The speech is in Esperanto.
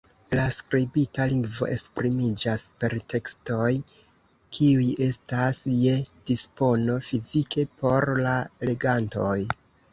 La skribita lingvo esprimiĝas per tekstoj kiuj estas je dispono fizike por la legantoj.